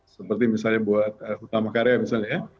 seperti misalnya buat hutama karya misalnya ya